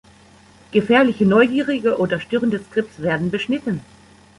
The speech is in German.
Gefährliche, „neugierige“ oder störende Skripts werden beschnitten.